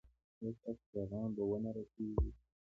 ایا ستاسو پیغام به و نه رسیږي؟